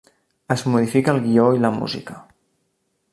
Es modifica el guió i la música.